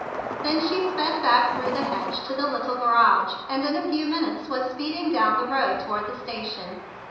Then she sped back through the hedge to the little garage, and in a few minutes was speeding down the road toward the station.